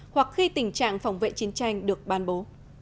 hoặc khi tình trạng phòng vệ chiến tranh được ban bố